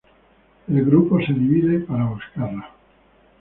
El grupo se divide para buscarla.